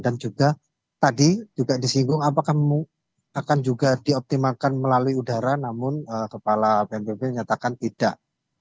dan juga tadi juga disinggung apakah akan juga dioptimalkan melalui udara namun kepala bnbb menyatakan tidak